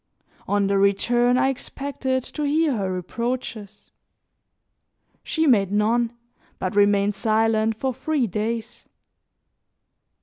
On the return, I expected to hear her reproaches; she made none, but remained silent for three days.